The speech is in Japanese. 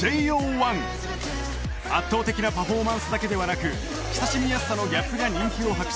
１圧倒的なパフォーマンスだけではなく親しみやすさのギャップが人気を博し